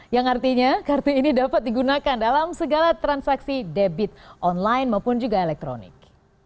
yang artinya kartu ini dapat digunakan dalam segala transaksi debit online maupun juga elektronik